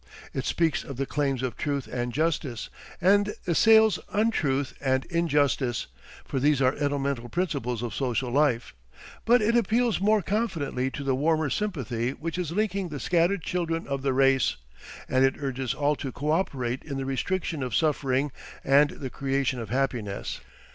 It speaks of the claims of truth and justice, and assails untruth and injustice, for these are elemental principles of social life; but it appeals more confidently to the warmer sympathy which is linking the scattered children of the race, and it urges all to co operate in the restriction of suffering and the creation of happiness.